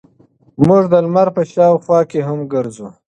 موږ د لمر په شاوخوا کې هم ګرځو.